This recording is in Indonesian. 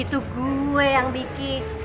itu gue yang bikin